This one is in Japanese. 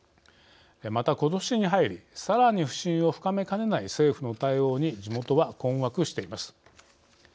また、ことしに入りさらに不信を深めかねない政府の対応に地元は困惑しています。